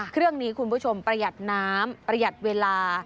เครื่องนี้คุณผู้ชมประหยัดน้ำประหยัดเวลา